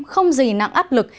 không gì nặng áp lực